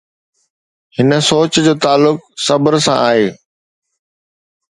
هن سوچ جو تعلق صبر سان آهي.